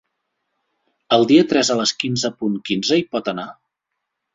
El dia tres a les quinze punt quinze hi pot anar?